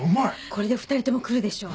これで２人とも来るでしょ。